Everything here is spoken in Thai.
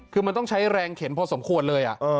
คือมันต้องใช้แรงเข็นพอสมควรเลย